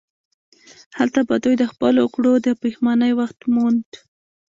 هلته به دوی د خپلو کړو د پښیمانۍ وخت موند.